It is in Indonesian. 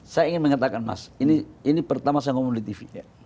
saya ingin mengatakan mas ini pertama saya ngomong di tv